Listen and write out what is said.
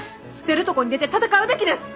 出るとこに出て戦うべきです！